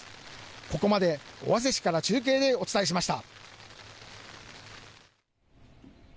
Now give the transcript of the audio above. ここまで尾鷲市から中継でお伝えしました。